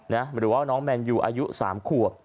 หรือว่าน้องแมนยูอายุ๓ขวบ